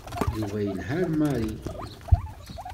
Yuba yelḥa ar Mary.